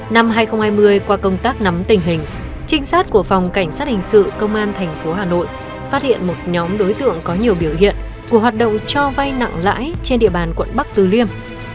năm hai nghìn hai mươi qua công tác nắm tình hình trinh sát của phòng cảnh sát hình sự công an tp hà nội phát hiện một nhóm đối tượng có nhiều biểu hiện của hoạt động cho vay nặng lãi trên địa bàn quận bắc từ liêm